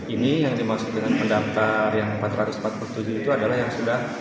ini yang dimaksud dengan pendaftar yang empat ratus empat puluh tujuh itu adalah yang sudah